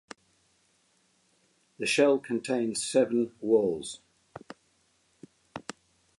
The shell contains seven whorls.